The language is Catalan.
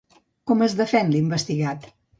Com es defèn l'investigat?